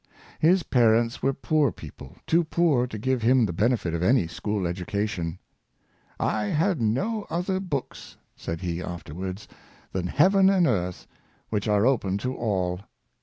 His parents were poor people — too poor to give him the benefit of any school education. " I had no other books, ^' said he, afterwards, " than heaven and earth, which are open to all."